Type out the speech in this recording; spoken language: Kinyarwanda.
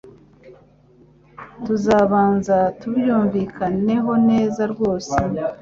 Tuzabanza tubyumvikaneho neza rwose .